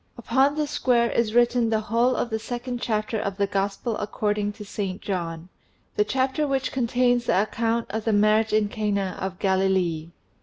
Upon this square is written the whole of the second chapter of the Gospel according to St. John the chapter which contains the account of the marriage in Cana of Galilee.